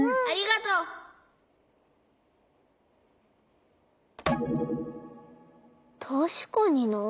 たしかになあ。